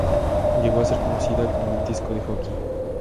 Llegó a ser conocida como "el disco de hockey".